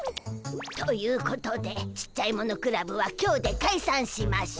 ということでちっちゃいものクラブは今日でかいさんしましゅ！